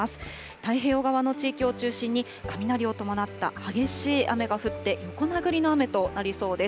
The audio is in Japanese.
太平洋側の地域を中心に、雷を伴った激しい雨が降って、横殴りの雨となりそうです。